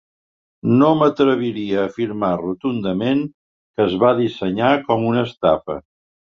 No m’atreviria a afirmar rotundament que es va dissenyar com una estafa.